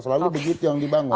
selalu begitu yang di bangun